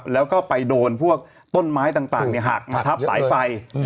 แล้วก็ไปโดนพวกต้นไม้ต่างหักมาทับสายไฟ